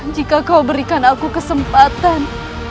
jika kau berikan aku kesempatan